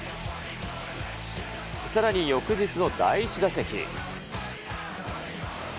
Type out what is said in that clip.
さらに、翌日の第１打席。